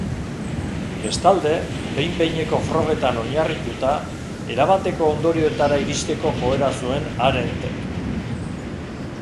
Bestalde, behin-behineko frogetan oinarrituta, erabateko ondorioetara iristeko joera zuen Arendtek.